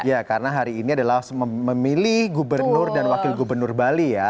ya karena hari ini adalah memilih gubernur dan wakil gubernur bali ya